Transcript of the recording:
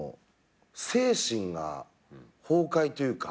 精神が崩壊というか。